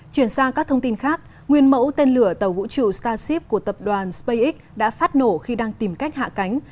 chuyển sang các thông tin khác nguyên mẫu tên lửa tàu vũ trụ starship của tập đoàn spacex đã phát nổ khi đang tìm cách hạ cánh